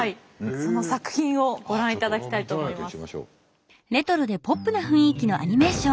その作品をご覧いただきたいと思います。